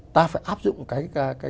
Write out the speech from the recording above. ta phải áp dụng cái